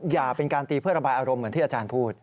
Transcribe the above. อย่าเป็นการตีเพื่อระบายอารมณ์เหมือนที่อาจารย์พูด